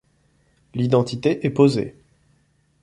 L’identité est posée.